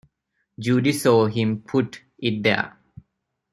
Judy saw him put it there.